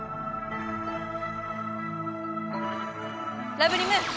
ラブリム！